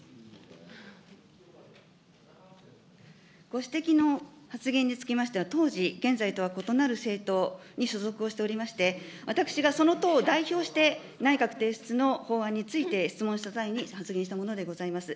ご指摘の発言につきましては、当時、現在とは異なる政党に所属をしておりまして、私がその党を代表して内閣提出の法案について質問した際に、発言したものでございます。